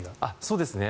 そうですね。